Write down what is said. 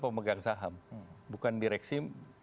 pemegang saham bukan direksi